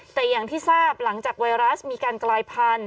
แต่อย่างที่ทราบหลังจากไวรัสมีการกลายพันธุ